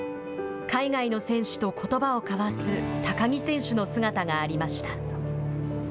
海外の選手とことばを交わす高木選手の姿がありました。